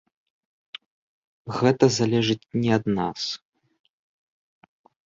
Гэта залежыць не ад нас.